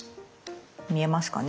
見えますかね？